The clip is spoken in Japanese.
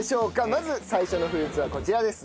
まず最初のフルーツはこちらです。